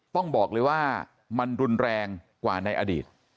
ต้องบอกเลยว่ามันรุนแรงกว่าในอดีต